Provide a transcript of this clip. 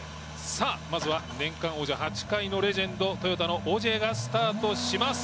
まずは年間王者８回のレジェンドトヨタのオジエがスタートします。